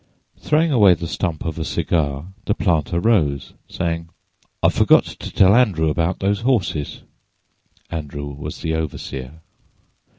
Throwing away the stump of a cigar, the planter rose, saying: "I forgot to tell Andrew about those horses." Andrew was the overseer.